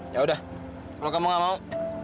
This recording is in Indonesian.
yaudah kalau kamu nggak mau